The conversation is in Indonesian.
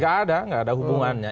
tidak ada hubungannya